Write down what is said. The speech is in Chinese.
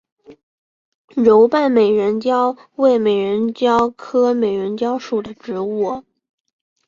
柔瓣美人蕉为美人蕉科美人蕉属的植物。